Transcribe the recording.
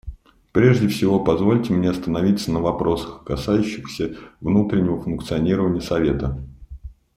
Прежде всего позвольте мне остановиться на вопросах, касающихся внутреннего функционирования Совета.